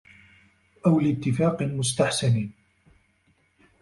أَوْ لِاتِّفَاقٍ مُسْتَحْسَنٍ